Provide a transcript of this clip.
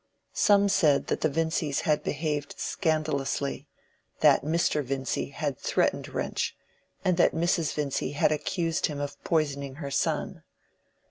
Some said, that the Vincys had behaved scandalously, that Mr. Vincy had threatened Wrench, and that Mrs. Vincy had accused him of poisoning her son.